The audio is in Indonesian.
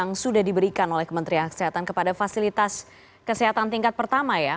yang sudah diberikan oleh kementerian kesehatan kepada fasilitas kesehatan tingkat pertama ya